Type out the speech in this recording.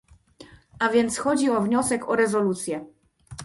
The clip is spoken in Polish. A więc chodzi o wniosek o rezolucję